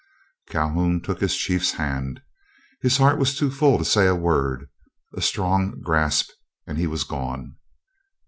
Calhoun took his chief's hand. His heart was too full to say a word. A strong grasp, and he was gone.